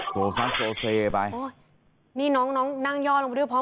โตซาโซซ์ไปนี่น้องน้องนั่งย่อนลงไปด้วยพร้อม